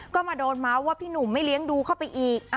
ก็มาโดนเมาส์ว่าพี่หนุ่มไม่เลี้ยงดูเข้าไปอีก